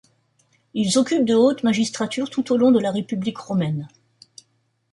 Ils occupent de hautes magistratures tout au long de la République romaine.